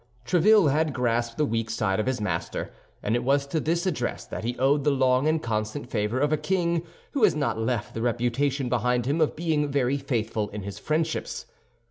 Tréville had grasped the weak side of his master; and it was to this address that he owed the long and constant favor of a king who has not left the reputation behind him of being very faithful in his friendships.